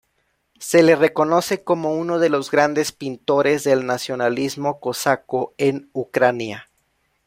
Se le reconoce como uno de los grandes pintores del nacionalismo cosaco en Ucrania.